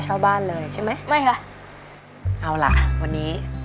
เช่าบ้านเลยใช่ไหมไม่ค่ะเอาล่ะวันนี้